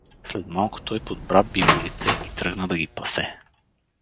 След малко той подбра биволите и тръгна да ги пасе.